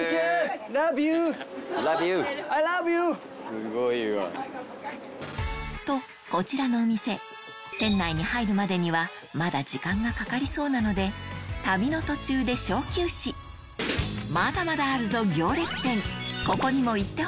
すごいわ。とこちらのお店店内に入るまでにはまだ時間がかかりそうなので旅の途中で小休止まだまだあるぞ！